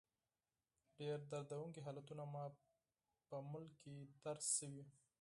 ډېر دردونکي حالتونه مو په ملک کې تېر شوي.